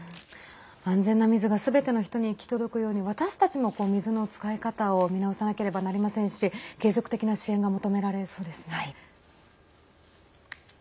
安全な水がすべての人に行き届くように私たちも水の使い方を見直さなければなりませんし継続的な支援が求められそうですね。